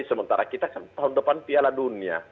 sementara kita kan tahun depan piala dunia